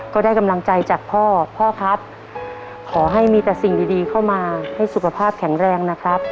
ก็ได้กำลังใจจากพ่อพ่อครับขอให้มีแต่สิ่งดีดีเข้ามาให้สุขภาพแข็งแรงนะครับ